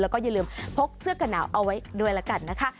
แล้วก็อย่าลืมพกเสื้อกันหนาวเอาไว้ด้วยละกันนะคะ